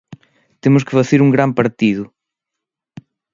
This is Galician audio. Temos que facer un gran partido.